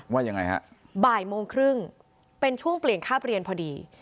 ว่ายังไงฮะบ่ายโมงครึ่งเป็นช่วงเปลี่ยนคาบเรียนพอดี